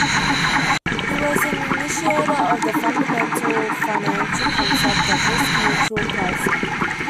He was an initiator of the fundamental financial concept of risk-neutral pricing.